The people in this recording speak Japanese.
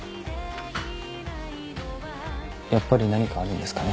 やっぱり何かあるんですかね